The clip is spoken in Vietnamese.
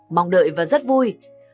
mong đợi và rất vui